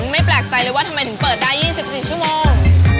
ไม่แปลกใจเลยว่าทำไมถึงเปิดได้๒๔ชั่วโมง